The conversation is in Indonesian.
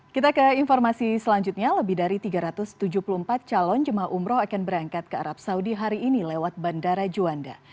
kita ke informasi selanjutnya lebih dari tiga ratus tujuh puluh empat calon jemaah umroh akan berangkat ke arab saudi hari ini lewat bandara juanda